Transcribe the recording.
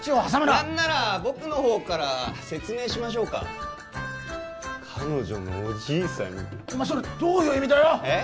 何なら僕の方から説明しましょうか彼女のおじいさんにお前それどういう意味だよえっ？